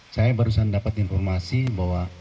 saya baru saja mendapatkan informasi bahwa